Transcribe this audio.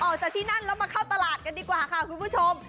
ออกจากที่นั่นแล้วมาเข้าตลาดกันดีกว่าค่ะคุณผู้ชม